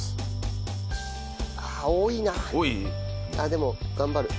でも頑張る。